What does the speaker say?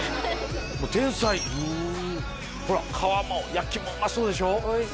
もう天才ほら皮も焼きもうまそうでしょ